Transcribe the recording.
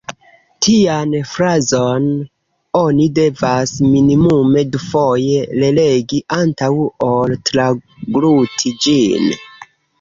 Tian frazon oni devas minimume dufoje relegi antaŭ ol tragluti ĝin.